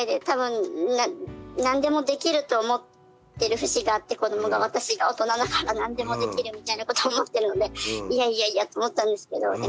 多分何でもできると思ってる節があって子どもが私が大人だから何でもできるみたいなことを思ってるのでいやいやいやと思ったんですけど。